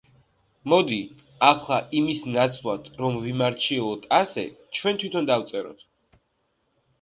მოდი, ახლა იმის ნაცვლად, რომ ვიმარჩიელოთ ასე, ჩვენ თვითონ დავწეროთ.